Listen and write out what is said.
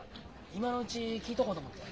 今のうち聞いとこうと思って。